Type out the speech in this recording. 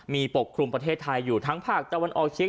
มีปกคลุมประเทศไทยอยู่ทั้งภาคตะวันออกเชียง